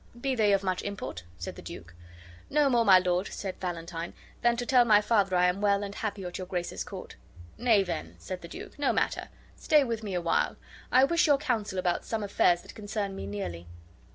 "Be they of much import?" said the duke. "No more, my lord," said Valentine, "than to tell my father I am well and happy at your grace's court." "Nay then," said the duke, "no matter; stay with me awhile. I wish your counsel about some affairs that concern me nearly."